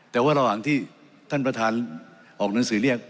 แต่ว่าระหว่างที่ท่านประธานออกหนังสือเรียก